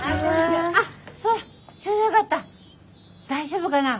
大丈夫かな？